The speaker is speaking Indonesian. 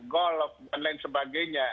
golf dan lain sebagainya